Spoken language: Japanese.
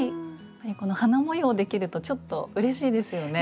この花模様できるとちょっとうれしいですよね。